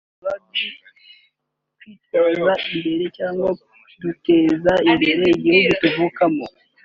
byaba kwiteza imbere cyangwa duteza imbere igihugu tuvukamo